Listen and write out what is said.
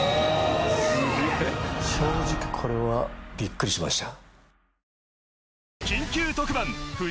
すげえ正直これはびっくりしました